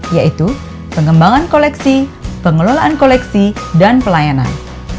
yaitu pengembangan koleksi pengelolaan koleksi dan pelayanan